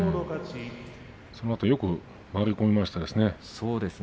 そのあとよく回り込みましたですね。